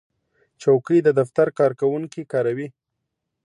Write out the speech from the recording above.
چوکۍ د دفتر کارکوونکي کاروي.